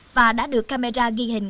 và đã được camera ghi hình